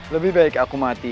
lebih baik aku mati